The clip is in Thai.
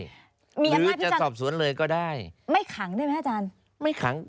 มีอำนาจพิจารณาหรือจะสอบสวนเลยก็ได้ไม่ขังได้ไหมอาจารย์ไม่ขัง